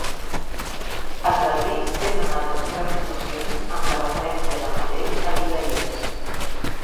Els erudits tenen altres preocupacions amb la referència de Mateu a Isaïes.